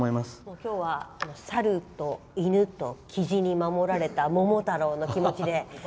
今日はサルと犬とキジに守られた桃太郎の気持ちで。